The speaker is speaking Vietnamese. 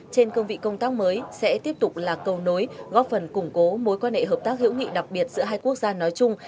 trên cương vị công tác mới sẽ tiếp tục là cầu nối góp phần củng cố mối quan hệ hợp tác hữu nghị đặc biệt giữa hai quốc gia nói chung